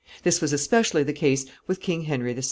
This was especially the case with King Henry VI.